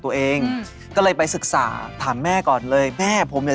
แล้วมีพิธีกรอะไรอีกอ่ะ